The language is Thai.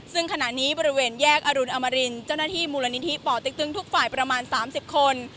ซึ่งขณะนี้บริเวณแยกอรุณอมรินเจ้าหน้าที่มูลนิธิป่อเต็กตึงทุกฝ่ายประมาณ๓๐คน